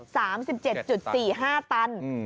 สามสิบเจ็ดจุดสี่ห้าตันอืม